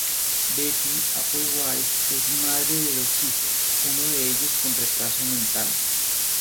Betty Applewhite es madre de dos hijos, uno de ellos con retraso mental.